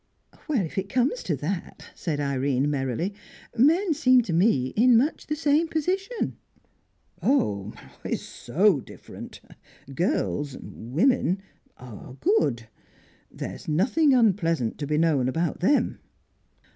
"If it comes to that," said Irene merrily, "men seem to me in much the same position." "Oh, it's so different. Girls women are good. There's nothing unpleasant to be known about them."